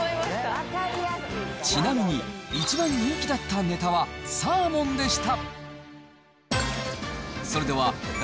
ちなみに、一番人気だったネタはサーモンでした。